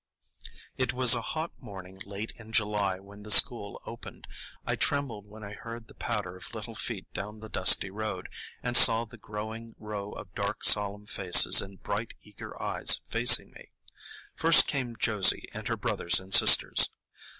It was a hot morning late in July when the school opened. I trembled when I heard the patter of little feet down the dusty road, and saw the growing row of dark solemn faces and bright eager eyes facing me. First came Josie and her brothers and sisters.